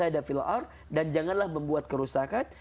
dan janganlah membuat kerusakan